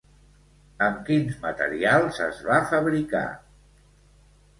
Amb quins materials es va fabricar?